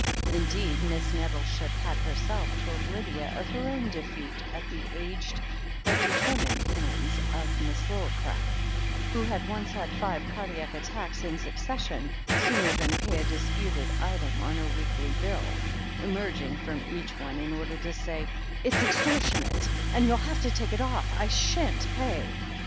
Indeed, Miss Net tleship had herself told Lydia of her own defeat at the aged but determined hands of Miss Lillicrap, who had once had five cardiaq attacks in succession sooner than pay a disputed item on her weekly bill, emerging from each one in order to say, "It's extortionate, and you'll have to take it off. I shan't pay."